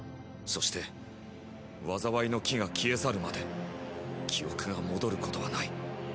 そして災いの樹が消え去るまで記憶が戻ることはない。